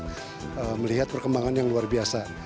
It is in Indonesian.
saya melihat perkembangan yang luar biasa